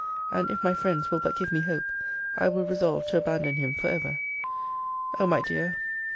And if my friends will but give me hope, I will resolve to abandon him for ever. O my dear!